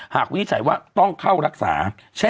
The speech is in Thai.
หากวิจัยว่าต้องเข้ารักษา